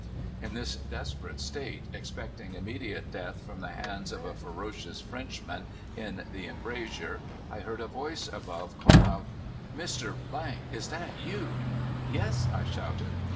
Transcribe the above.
In this desperate state, expecting immediate death from the hands of a ferocious Frenchman in the embrasure, I heard a voice above call out: "'Mr. , is that you?' "'Yes!' I shouted.